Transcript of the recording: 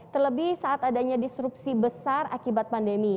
terlebih saat adanya disrupsi besar akibat pandemi